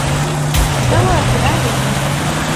لوى ذراعي.